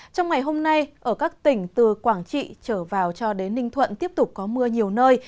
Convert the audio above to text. trong ngày hôm nay ở các tỉnh từ quảng trị trở vào cho đến ninh thuận tiếp tục có mưa nhiều nơi